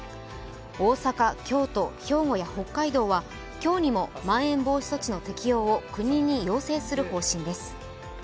大阪、京都、兵庫や北海道は今日にもまん延防止措置の適用を国に要請する方針です。